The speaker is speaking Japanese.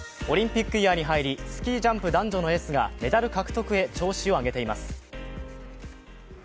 オリンピックイヤーに入り、スキージャンプ男女のエースがメダル獲得へ調子を上げています。